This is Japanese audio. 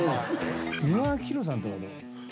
美輪明宏さんとかどう？